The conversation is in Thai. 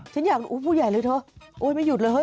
ฉันอยากฝูกใหญ่เลยเถอะอุ๊ยไม่หยุดเลยเฮ้ย